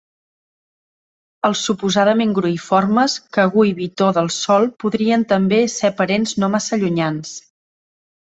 Els suposadament gruïformes, kagú i bitó del sol podrien també ser parents no massa llunyans.